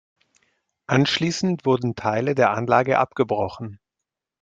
Anschließend wurden Teile der Anlage abgebrochen.